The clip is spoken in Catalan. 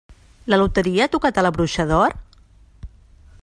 La loteria ha tocat a La bruixa d'or?